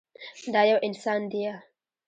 دا يو انسان ديه.